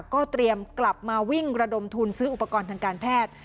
ก็เตรียมกลับมาวิ่งระดมทุนซื้ออุปกรณ์ทางการแพทย์